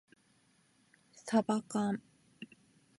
さばかん